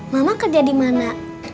mama kerja di mana